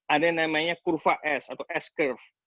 ada yang namanya kurva s atau s curve